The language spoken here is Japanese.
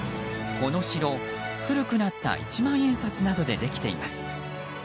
この城、古くなった一万円札などでできています。